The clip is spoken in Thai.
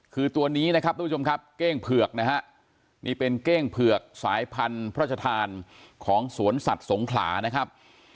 คือตัวนี้นะครับทุกผู้ชมครับเก้งเผือกนะฮะนี่เป็นเก้งเผือกสายพันธุ์พระชธานของสวนสัตว์สงขลานะครับ